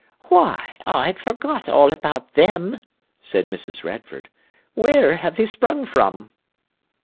"Why, I'd forgot all about them!" said Mrs. Radford. "Where have they sprung from?"